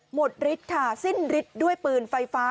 ฤทธิ์ค่ะสิ้นฤทธิ์ด้วยปืนไฟฟ้า